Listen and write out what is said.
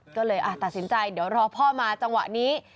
ก็เลยตัดสินใจเดี๋ยวรอพ่อมาจังหวะนี้